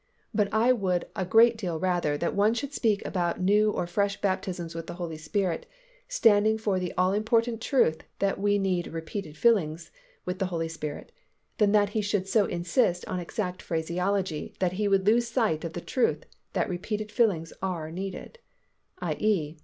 But I would a great deal rather that one should speak about new or fresh baptisms with the Holy Spirit, standing for the all important truth that we need repeated fillings with the Holy Spirit, than that he should so insist on exact phraseology that he would lose sight of the truth that repeated fillings are needed, _i. e.